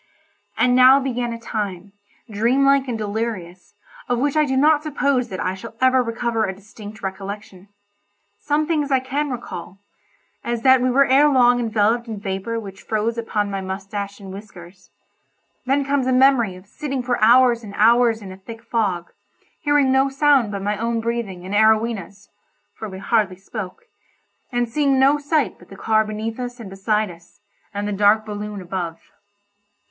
And now began a time, dream like and delirious, of which I do not suppose that I shall ever recover a distinct recollection. Some things I can recall—as that we were ere long enveloped in vapour which froze upon my moustache and whiskers; then comes a memory of sitting for hours and hours in a thick fog, hearing no sound but my own breathing and Arowhena's (for we hardly spoke) and seeing no sight but the car beneath us and beside us, and the dark balloon above.